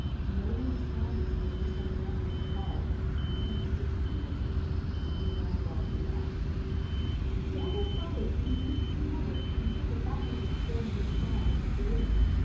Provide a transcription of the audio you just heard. No one responded to the descending numbers called until sixty was reached, when one girl came up. Then others followed in increasing numbers until the faculty began to respond in the thirties.